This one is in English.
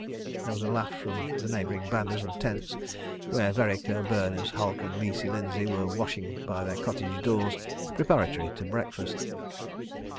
..." There was a laugh from neighbouring bandas and tents where Vereker, Berners, Halke and "Leesey" Lindsay were washing by their cottage doors, preparatory to breakfast.